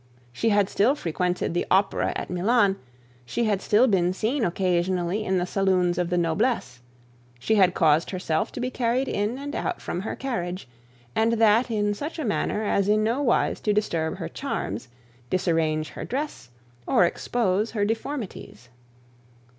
She had still frequented the opera at Milan; she had still been seen occasionally in the saloons of the noblesse; she had caused herself to be carried in and out from her carriage, and that in such a manner as in no wise to disturb her charms, disarrange her dress, or expose her deformities.